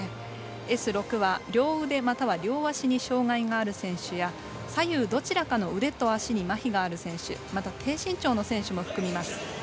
Ｓ６は両腕、または両足に障がいがある選手や左右どちらかの腕と足にまひがある選手また低身長の選手も含みます。